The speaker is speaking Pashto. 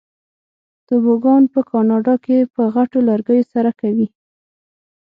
توبوګان په کاناډا کې په غټو لرګیو سره کوي.